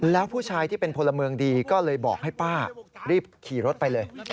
แล้วผู้ชายที่เป็นพลเมืองดีก็เลยบอกให้ป้ารีบขี่รถไปเลย